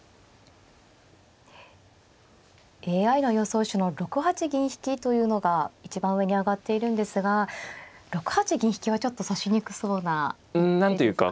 ＡＩの予想手の６八銀引というのが一番上に挙がっているんですが６八銀引はちょっと指しにくそうな手ですか。